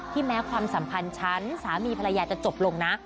แม้ความสัมพันธ์ฉันสามีภรรยาจะจบลงนะ